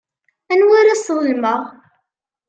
Anwa ara sḍelmeɣ?